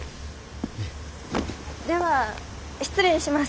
では失礼します。